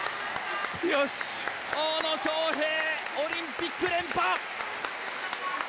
大野将平、オリンピック連覇！